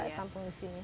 bisa ditampung di sini